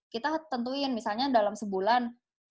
kita tentuin misalnya dalam sebulan